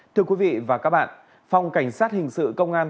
thưa quý vị và các bạn phòng cảnh sát hình sự công an